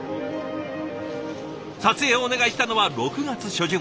撮影をお願いしたのは６月初旬。